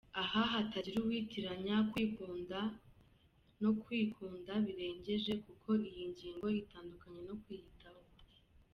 Aha hatagira uwitiranya kwikunda no kwikunda birengeje, kuko iyi ngingo itandukanye no kwiyitaho.